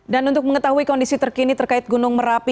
dan untuk mengetahui kondisi terkini terkait penyelamatan